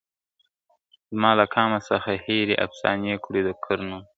زما له قامه څخه هیري افسانې کړې د قرنونو ..